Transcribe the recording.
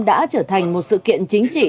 đã trở thành một sự kiện chính trị